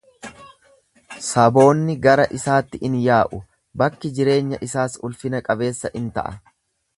Saboonni gara isaatti in yaa'u, bakki jireenya isaas ulfina-qabeessa in ta'a.